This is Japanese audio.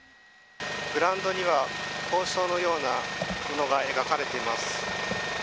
グラウンドには校章のようなものが描かれています。